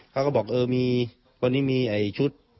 เขาก็บอกเออมีวันนี้มีชุด